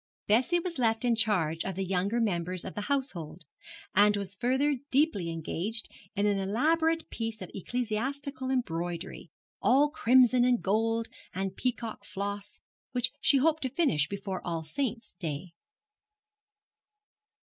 Bessie was left in charge of the younger members of the household, and was further deeply engaged in an elaborate piece of ecclesiastical embroidery, all crimson and gold, and peacock floss, which she hoped to finish before All Saints' Day.